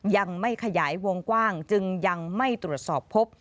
ยังไม่ขยายวงกว้างจึงยังไม่ตรวจสอบพบ